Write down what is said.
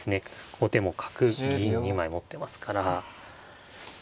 後手も角銀２枚持ってますから。